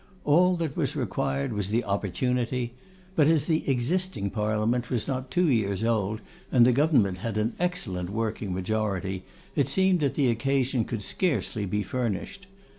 All that was required was the opportunity; but as the existing parliament was not two years old, and the government had an excellent working majority, it seemed that the occasion could scarcely be furnished.